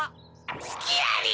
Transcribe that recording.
すきあり！